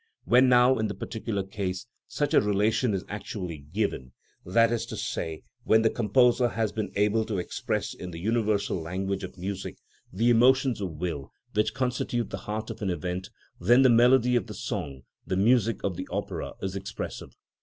When now, in the particular case, such a relation is actually given, that is to say, when the composer has been able to express in the universal language of music the emotions of will which constitute the heart of an event, then the melody of the song, the music of the opera, is expressive.